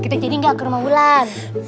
kita jadi gak ke rumah wulan